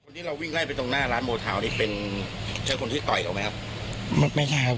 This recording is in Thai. นี่หน้าร้านโถเท่านี้เป็นเชิงคนที่ต่อไหมครับ